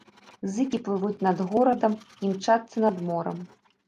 Зыкі плывуць над горадам, імчацца над морам.